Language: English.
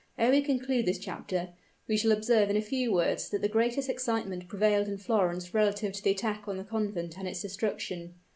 Ere we conclude this chapter, we shall observe in a few words that the greatest excitement prevailed in Florence relative to the attack on the convent and its destruction.